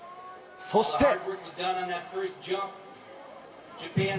そして。